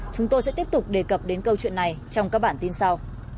chúng tôi sẽ tiếp tục đề cập đến câu chuyện này trong các bản tin sau